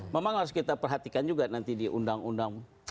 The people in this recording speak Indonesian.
memang harus kita perhatikan juga nanti di undang undang